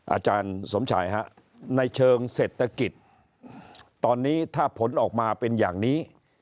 อาจารย์สมชัยฮะในเชิงเศรษฐกิจตอนนี้ถ้าผลออกมาเป็นอย่างนี้